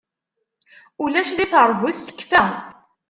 Ulac di teṛbut tekfa.